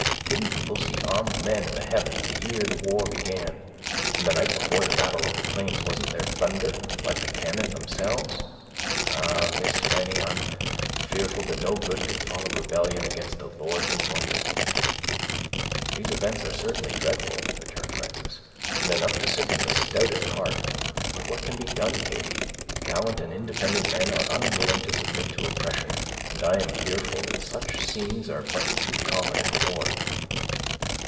Didn't people see armed men in the heavens, the year the war began? And, the night before the battle of the Plains, wasn't there thunder, like the cannon themselves? Ah! Miss Fanny, I'm fearful that no good can follow rebellion against the Lord's anointed!" "These events are certainly dreadful," returned Frances, "and enough to sicken the stoutest heart. But what can be done, Katy? Gallant and independent men are unwilling to submit to oppression; and I am fearful that such scenes are but too common in war."